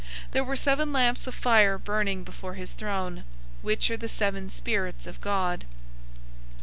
There were seven lamps of fire burning before his throne, which are the seven Spirits of God.